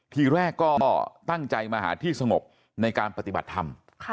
ทีแรกก็ตั้งใจมาหาที่สงบในการปฏิบัติธรรม